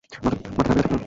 মাথা খারাপ হয়ে গেছে আপনার!